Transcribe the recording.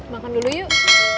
makan dulu yuk